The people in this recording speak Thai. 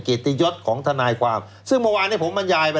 เกตยดของทนายความซึ่งเมื่อวานเนี้ยผมมายายไป